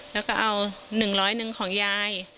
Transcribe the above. แล้วก็เอาหนึ่งร้อยหนึ่งของยาย